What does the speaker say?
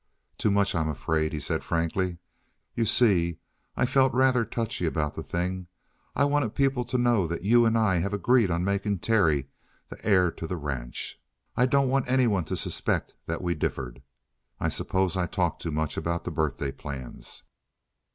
"Too much, I'm afraid," he said frankly. "You see, I've felt rather touchy about the thing. I want people to know that you and I have agreed on making Terry the heir to the ranch. I don't want anyone to suspect that we differed. I suppose I talked too much about the birthday plans."